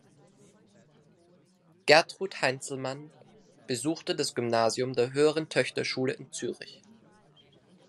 Gertrud Heinzelmann besuchte das Gymnasium der Höheren Töchterschule in Zürich.